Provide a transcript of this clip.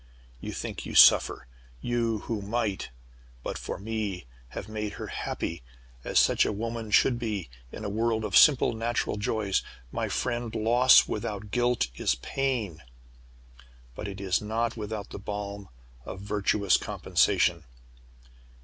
"You think you suffer you, who might, but for me, have made her happy, as such women should be, in a world of simple natural joys! My friend, loss without guilt is pain but it is not without the balm of virtuous compensation.